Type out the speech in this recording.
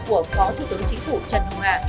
của phó thủ tướng chính phủ trần hồng hạ